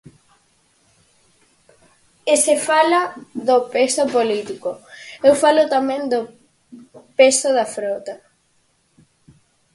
E, se fala do peso político, eu falo tamén do peso da frota.